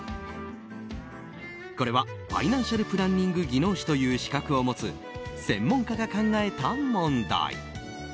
これはファイナンシャル・プランニング技能士という資格を持つ専門家が考えた問題。